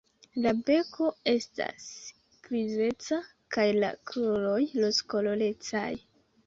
La beko estas grizeca kaj la kruroj rozkolorecaj.